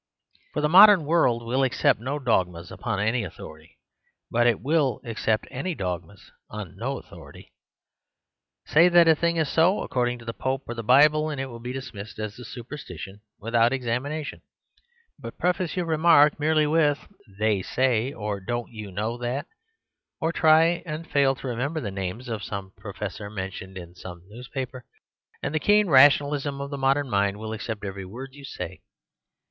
For the modern world will accept no dogmas upon any authority; but it will accept any dogmas upon no authority. Say that a thing is so, according to the Pope or the Bible, and it will be dismissed as a superstition without examination. But preface your remark merely with "they say" or "don't you know that?" 74 The Superstition of Divorce or try (and fail) to remember the name of some professor mentioned in some newspaper; and the keen rationalism of the modern mind will accept every word you say.